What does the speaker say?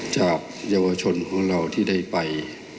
จากเยาวชนของเราที่ได้ไป